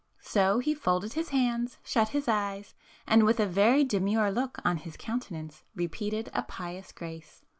So he folded his hands, shut his eyes, and with a very demure look on his countenance repeated a pious grace.